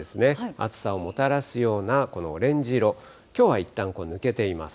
暑さをもたらすような、このオレンジ色、きょうはいったん抜けています。